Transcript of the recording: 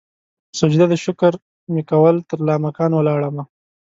سجده د شکر مې کول ترلا مکان ولاړمه